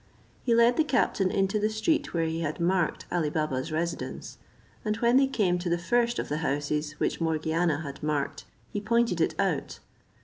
He led the captain into the street where he had marked Ali Baba's residence; and when they came to the first of the houses which Morgiana had marked, he pointed it out.